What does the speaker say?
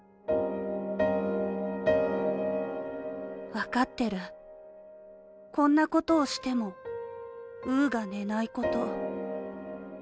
分かってる、こんなことをしてもうーが寝ないこと。